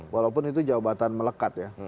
walaupun itu jabatan melekat ya